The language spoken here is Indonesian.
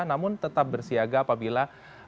namun tetap bersiaga apabila